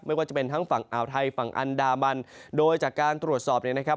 ว่าจะเป็นทั้งฝั่งอ่าวไทยฝั่งอันดามันโดยจากการตรวจสอบเนี่ยนะครับ